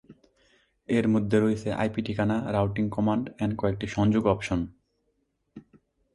এর মধ্যে রয়েছে আইপি ঠিকানা, রাউটিং কমান্ড এবং কয়েকটি সংযোগ অপশন।